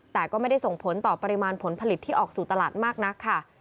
แต่ก็ไม่ได้ส่งผลต่อปริมาณผลผลิตที่ออกสู่ตลาดมากนักค่ะ